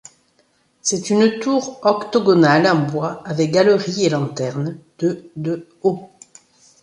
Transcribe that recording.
C'est une tour octogonale en bois, avec galerie et lanterne, de de haut.